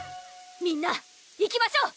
みんないきましょう！